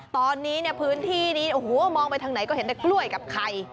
ตอนนี้เนี่ยพื้นที่นี้โอ้โหมองไปทางไหนก็เห็นแต่กล้วยกับไข่